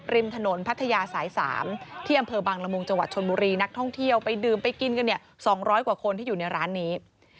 ริมถนนพัทยาสาย๓ที่อำเภอบังละมุงจังหวัดชนบุรีนักท่องเที่ยวไปดื่มไปกินกันเนี่ย๒๐๐กว่าคนที่อยู่ในร้านนี้